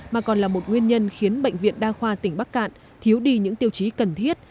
mà còn là một nguyên nhân khiến bệnh viện đa khoa tỉnh bắc cạn thiếu đi những tiêu chí cần thiết